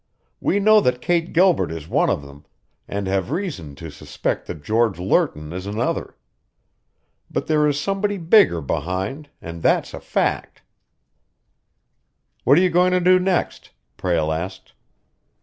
We know that Kate Gilbert is one of them, and have reason to suspect that George Lerton is another. But there is somebody bigger behind, and that's a fact." "What are you going to do next?" Prale asked.